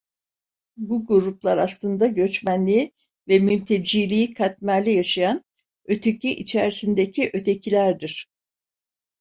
Bu gruplar aslında göçmenliği ve mülteciliği katmerli yaşayan, öteki içerisindeki “öteki”lerdir…